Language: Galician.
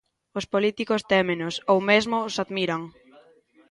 Os políticos témenos, ou mesmo os admiran.